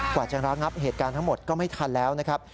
กว่าจะระงับเหตุการณ์ทั้งหมดก็ไม่ทันแล้วนะครับ